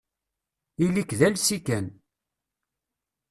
Ili-k d alsi kan.